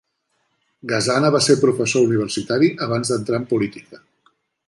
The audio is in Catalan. Gasana va ser professor universitari abans d'entrar en política.